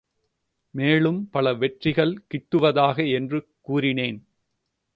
மேலும் பல வெற்றிகள் கிட்டுவதாக என்று கூறினேன்.